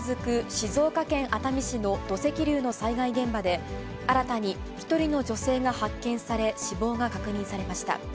静岡県熱海市の土石流の災害現場で、新たに１人の女性が発見され、死亡が確認されました。